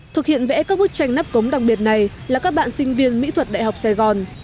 thực hiện vẽ các bức tranh nắp cống đặc biệt này là các bạn sinh viên mỹ thuật đại học sài gòn